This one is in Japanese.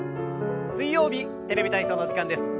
水曜日「テレビ体操」の時間です。